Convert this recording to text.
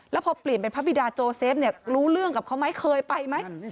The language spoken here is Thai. แล้วพอเปลี่ยนเป็นพระบิดาโจเซฟเนี่ยรู้เรื่องกับเขาไหมเคยไปไหม